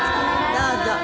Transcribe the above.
どうぞ。